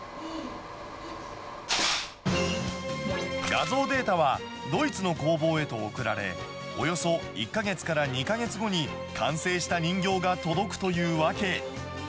画像データは、ドイツの工房へと送られ、およそ１か月から２か月後に完成した人形が届くというわけ。